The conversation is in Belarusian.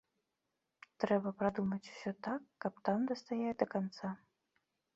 Трэба прадумаць усё так, каб там дастаяць да канца.